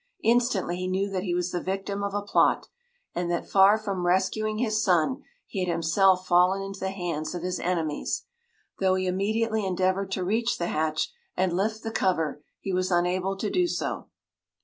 Instantly he knew that he was the victim of a plot, and that far from rescuing his son he had himself fallen into the hands of his enemies. Though he immediately endeavoured to reach the hatch and lift the cover, he was unable to do so.